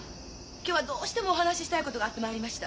今日はどうしてもお話ししたいことがあって参りました。